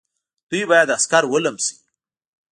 دوی باید عسکر ولمسوي.